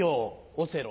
オセロ。